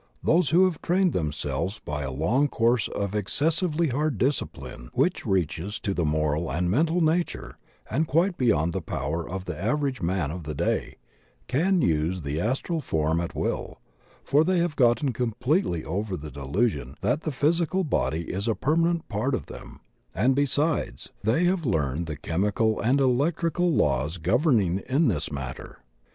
Those who have trained themselves by a long course of exces sively hard discipline which reaches to the moral and mental nature and quite beyond the power of the average man of the day, can use the astral form at will, for they have gotten completely over the delu sion that the physical body is a permanent part of 42 THE OCEAN OF THEOSOPHY them, and, besides, they have learned the chemical and electrical laws governing in this matter.